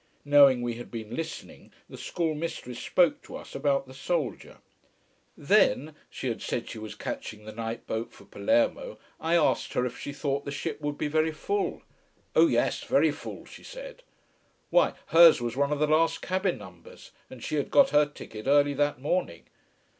Knowing we had been listening, the schoolmistress spoke to us about the soldier. Then she had said she was catching the night boat for Palermo I asked her if she thought the ship would be very full. Oh yes, very full, she said. Why, hers was one of the last cabin numbers, and she had got her ticket early that morning.